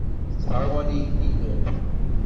Tettɛawan igellilen.